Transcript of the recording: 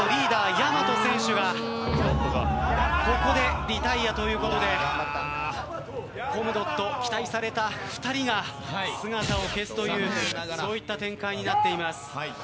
やまと選手がここでリタイヤということでコムドット、期待された２人が姿を消すというそういった展開になっています。